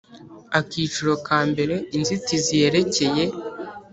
Akiciro ka mbere Inzitizi yerekeye